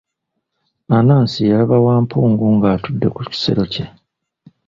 Anansi yalaba Wampungu ng'atudde ku kisero kye.